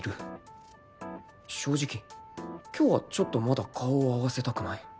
正直今日はちょっとまだ顔を合わせたくない